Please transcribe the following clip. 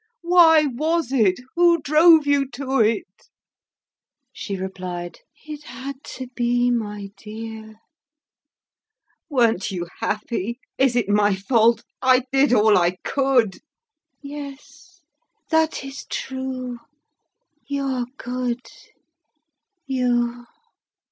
"Why was it? Who drove you to it?" She replied. "It had to be, my dear!" "Weren't you happy? Is it my fault? I did all I could!" "Yes, that is true you are good you."